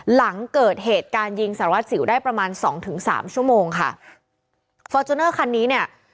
หลังเกิดเหตุการณ์ยิงสารวัสสิวได้ประมาณสองถึงสามชั่วโมงค่ะฟอร์จูเนอร์คันนี้เนี่ย